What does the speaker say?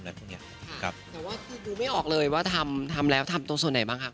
แต่ว่าคุณก็ไม่ออกเลยว่าทำแล้วทำตัวส่วนไหนบ้าง